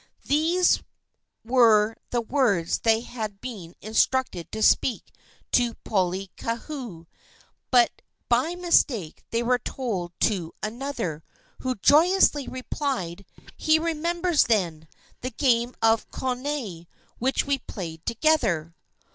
These were the words they had been instructed to speak to Poliahu, but by mistake they were told to another, who joyously replied: "He remembers, then, the game of konane which we played together."